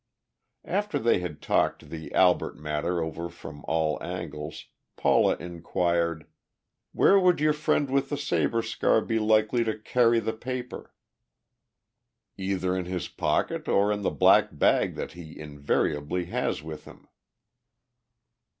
After they had talked the Albert matter over from all angles, Paula inquired, "Where would your friend with the saber scar be likely to carry the paper?" "Either in his pocket or in the black bag that he invariably has with him."